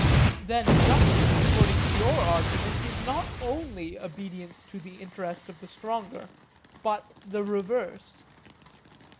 Then justice, according to your argument, is not only obedience to the interest of the stronger but the reverse?